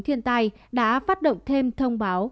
thiên tai đã phát động thêm thông báo